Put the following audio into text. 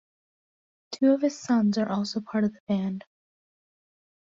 Two of his sons are also part of the band.